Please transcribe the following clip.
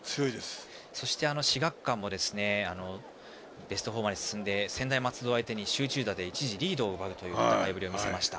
そして志学館もベスト４まで進んで専大松戸相手に集中打で一時リードを奪いました。